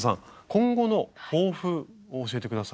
今後の抱負を教えて下さい。